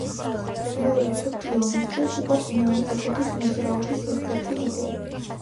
მეორე მსოფლიო ომის დროს იყო წინააღმდეგობის მოძრაობის ერთ-ერთი ლიდერი.